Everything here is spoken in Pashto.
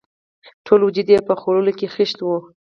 ټول وجود یې په خولو کې خیشت وو.